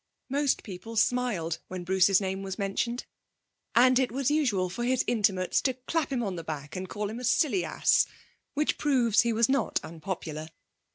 Most people smiled when Bruce's name was mentioned, and it was usual for his intimates to clap him on the back and call him a silly ass, which proves he was not unpopular.